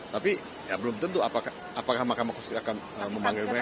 tapi ya belum tentu apakah mahkamah konstitusi akan memanggilnya